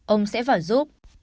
ông sẽ vào giúp